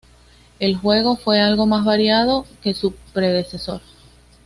El juego fue algo más variado que su predecesor.